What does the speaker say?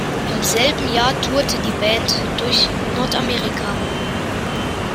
Im selben Jahr tourte die Band durch Nordamerika.